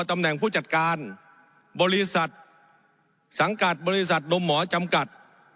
ตำแหน่งผู้จัดการบริษัทสังกัดบริษัทนมหมอจำกัด